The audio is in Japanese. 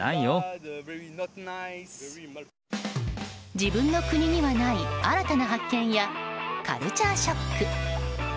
自分の国にはない新たな発見やカルチャーショック。